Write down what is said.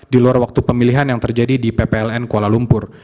di luar waktu pemilihan yang terjadi di ppln kuala lumpur